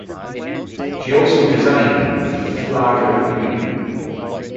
She also designed the flag of Niue.